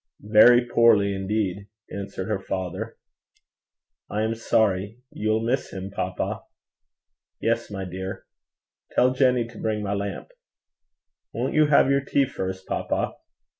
'Very poorly indeed,' answered her father. 'I am sorry. You'll miss him, papa.' 'Yes, my dear. Tell Jenny to bring my lamp.' 'Won't you have your tea first, papa?'